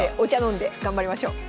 飲んで頑張りましょう。